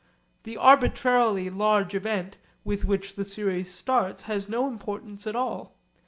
The arbitrarily large event with which the series starts has no importance at all.